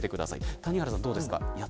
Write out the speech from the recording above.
谷原さんは、どうですか。